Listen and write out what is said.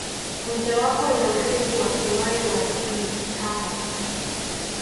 Mojawapo ya urithi wapewayo watoto ni kihamba